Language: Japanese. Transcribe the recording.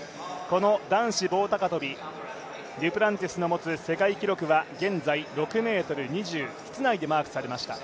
男子棒高跳、デュプランティスの持つ世界記録は現在６ｍ２０、室内でマークされました。